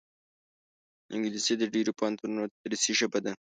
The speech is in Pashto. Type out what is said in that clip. انګلیسي د ډېرو پوهنتونونو تدریسي ژبه ده